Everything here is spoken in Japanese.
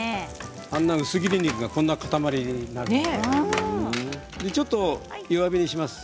あんな薄切り肉が塊肉のようになるんですよ。